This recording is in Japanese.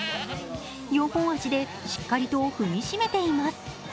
四本脚でしっかりと踏みしめています。